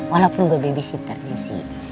walaupun gue babysitternya sih